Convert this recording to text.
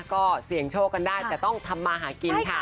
ก็เสี่ยงโชคกันได้แต่ต้องทำมาหากินค่ะ